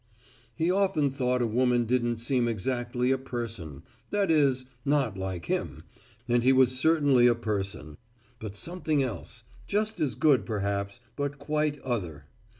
He often thought a woman didn't seem exactly a person that is, not like him, and he was certainly a person but something else; just as good, perhaps, but quite other.